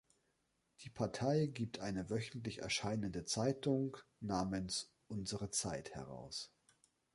Die Partei gibt eine wöchentlich erscheinende Zeitung namens „unsere Zeit“ heraus.